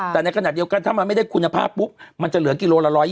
แต่ในขณะเดียวกันถ้ามันไม่ได้คุณภาพปุ๊บมันจะเหลือกิโลละ๑๒๐